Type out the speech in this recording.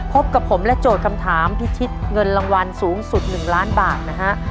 พบกับผมและโจทย์คำถามพิชิตเงินรางวัลสูงสุด๑ล้านบาทนะฮะ